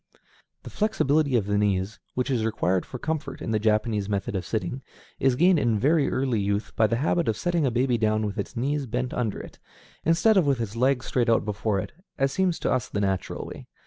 The flexibility of the knees, which is required for comfort in the Japanese method of sitting, is gained in very early youth by the habit of setting a baby down with its knees bent under it, instead of with its legs out straight before it, as seems to us the natural way.